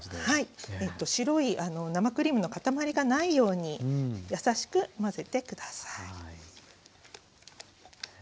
はい白い生クリームの塊がないように優しく混ぜて下さい。